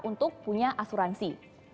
untuk punya asuransi